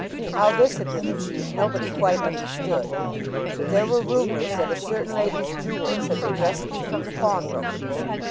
How this had been achieved nobody quite understood; but there were rumours that a certain lady's jewels had been rescued from the pawnbroker's.